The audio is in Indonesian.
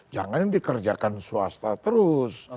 jangan dikerjakan swasta terus